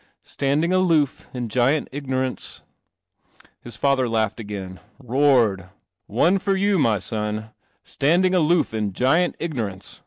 tanding aloof in giant ignoran< , I Ii father laughed again — roared. l> One i r Standing aloof in giant ignorance!'